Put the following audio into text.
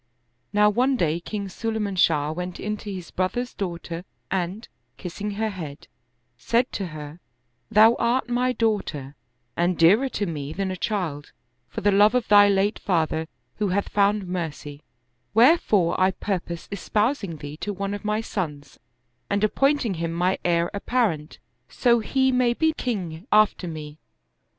Now one day King Sulayman Shah went in to his brother's daughter and, kissing her head, said to her, " Thou art my daughter and dearer to me than a child, for the love of thy late father who hath found mercy ; wherefore I purpose espousing thee to one of my sons and appointing him my heir apparent, so he may be king after me.